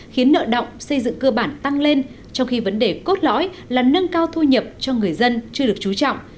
khiến nợ động xây dựng cơ bản tăng lên trong khi vấn đề cốt lõi là nâng cao thu nhập cho người dân chưa được trú trọng